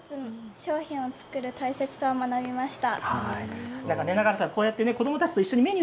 商品を作る大切さを学びました。